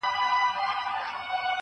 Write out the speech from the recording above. خير دی، زه داسي یم، چي داسي نه وم